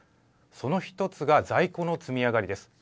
その１つが在庫の積み上がりです。